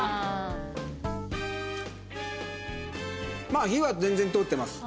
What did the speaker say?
まあ火は全然通ってます。